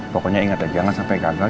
pokoknya ingat ya jangan sampai gagal